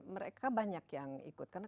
mereka banyak yang ikut